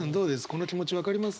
この気持ち分かります？